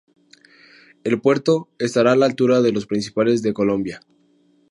El puerto estará a la altura de los principales de Colombia.